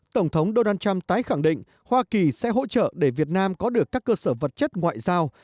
tổng thống donald trump tái khẳng định hoa kỳ sẽ hỗ trợ để việt nam có được các cơ sở vật chất ngoại giao